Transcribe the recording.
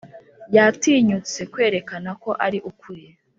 yatinyutse kwerekana ko ari ukuri,